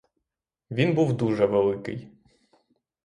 Він був дуже великий.